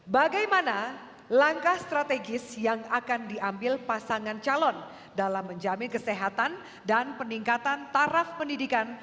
bagaimana langkah strategis yang akan diambil pasangan calon dalam menjamin kesehatan dan peningkatan taraf pendidikan